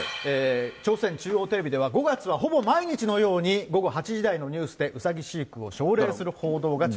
朝鮮中央テレビでは、５月はほぼ毎日のように、午後８時台のニュースで、うさぎ飼育を奨励する報道が続いている。